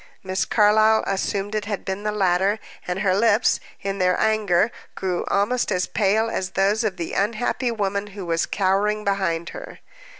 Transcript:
Miss Carlyle assumed it to have been the latter, and her lips, in their anger grew almost as pale as those of the unhappy woman who was cowering behind her.